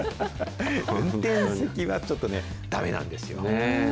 運転席はちょっとね、だめなんですよね。